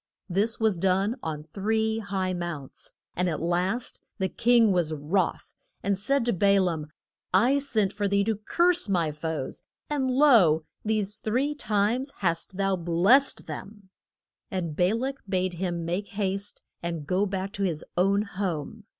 This was done on three high mounts, and at last the king was wroth, and said to Ba laam, I sent for thee to curse my foes, and lo, these three times hast thou blest them. [Illustration: MO SES ON MOUNT NE BO.] And Ba lak bade him make haste and go back to his own home.